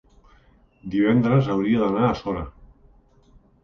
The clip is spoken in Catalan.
divendres hauria d'anar a Sora.